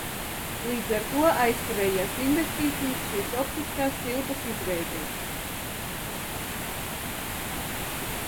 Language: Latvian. Līdz ar to aizkavējās investīcijas šīs optiskās cilpas izveidei.